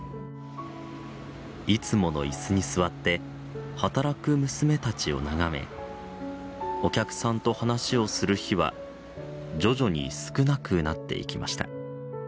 いつもの椅子に座って働く娘たちを眺めお客さんと話をする日は徐々に少なくなっていきました。